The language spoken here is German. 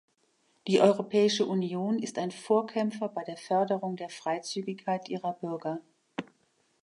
Die Europäische Union ist ein Vorkämpfer bei der Förderung der Freizügigkeit ihrer Bürger.